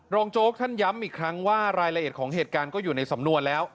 โจ๊กท่านย้ำอีกครั้งว่ารายละเอียดของเหตุการณ์ก็อยู่ในสำนวนแล้ว